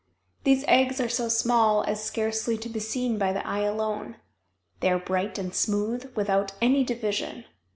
These eggs are so small as scarcely to be seen by the eye alone. They are bright and smooth, without any division.